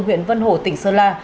huyện vân hổ tỉnh sơn la